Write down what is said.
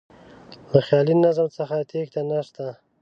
له خیالي نظم څخه تېښته نه شته.